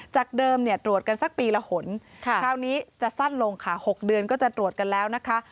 จากเดิมเนี่ยตรวจกันสักปีละหนคราวนี้จะสั้นลงค่ะ๖เดือนก็จะตรวจกันแล้วนะคะ